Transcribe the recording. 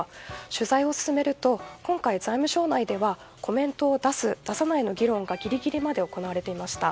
取材を進めると今回、財務省内ではコメントを出す出さないの議論がギリギリまで行われていました。